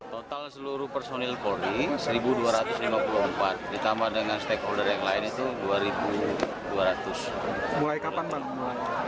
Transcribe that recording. total seluruh personil polri seribu dua ratus lima puluh empat ditambah dengan stakeholder yang lain itu dua ribu dua ratus